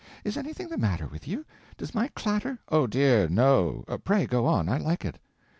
Is anything the matter with you?—does my clatter—" "Oh, dear—no. Pray go on—I like it."